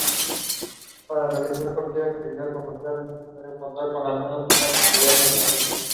Para realizar cualquier actividad comercial es necesario contar con, al menos, una sociedad mercantil.